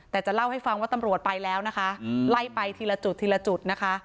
แต่จะเล่าให้ฟังว่าตำรวจไปแล้วนะคะไล่ไปทีละจุดทีละจุดนะคะ